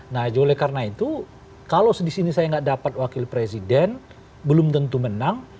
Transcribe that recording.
nah oleh karena itu kalau di sini saya tidak dapat wakil presiden belum tentu menang